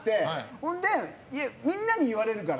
ほんでみんなに言われるから。